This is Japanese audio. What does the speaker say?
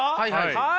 はい！